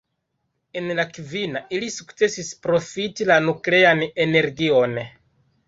En la kvina, ili sukcesis profiti la nuklean energion.